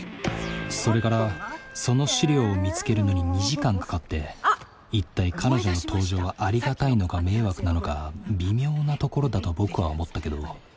それからその資料を見つけるのに２時間かかって一体彼女の登場はありがたいのか迷惑なのか微妙なところだと僕は思ったけど。